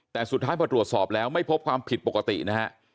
แต่สุดท้ายพอตรวจสอบแล้วไม่พบความผิดปกตินะฮะ